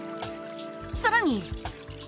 さらに。